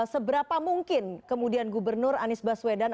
seberapa mungkin kemudian gubernur anies baswedan